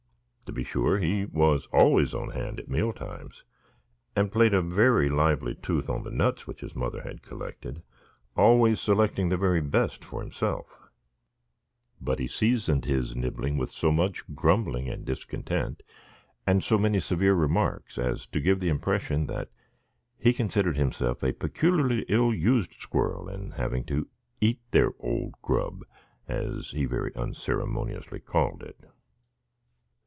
To be sure, he was always on hand at meal times, and played a very lively tooth on the nuts which his mother had collected, always selecting the very best for himself; but he seasoned his nibbling with so much grumbling and discontent, and so many severe remarks, as to give the impression that he considered himself a peculiarly ill used squirrel in having to "eat their old grub," as he very unceremoniously called it.